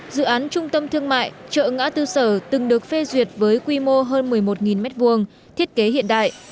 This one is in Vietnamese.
dự án trung tâm thương mại chợ ngã tư sở từng được phê duyệt với quy mô hơn một mươi một m hai thiết kế hiện đại